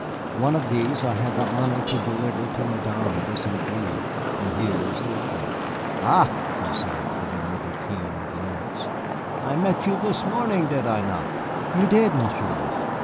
One of these I had the honor to deliver to Madame de St. Gré, and here is the other." "Ah," he said, with another keen glance, "I met you this morning, did I not?" "You did, Monsieur."